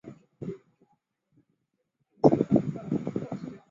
数学字母数字符号的正式名称。